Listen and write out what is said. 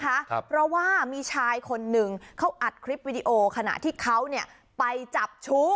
ครับเพราะว่ามีชายคนหนึ่งเขาอัดคลิปวิดีโอขณะที่เขาเนี่ยไปจับชู้